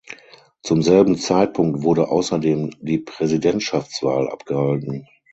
Zum selben Zeitpunkt wurde außerdem die Präsidentschaftswahl abgehalten.